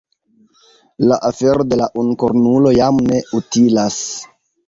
La afero de la unukornulo jam ne utilas.